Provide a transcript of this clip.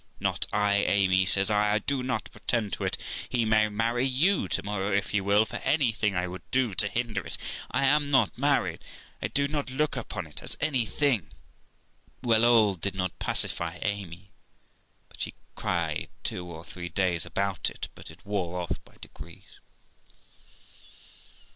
'Not I, Amy', says I; 'I do not pretend to it. He may marry you to morrow, if he will, for anything I could do to hinder it I am not married. I do not look upon it as anything.' Well, all did not pacify Amy, but she cried two or three days about it; but it wore off by degrees.